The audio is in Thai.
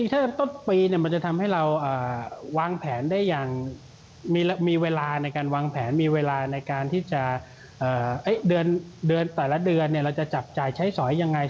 ถ้าต้นปีมันจะทำให้เราวางแผนได้อย่างมีเวลาในการวางแผนมีเวลาในการที่จะเดือนแต่ละเดือนเราจะจับจ่ายใช้สอยยังไง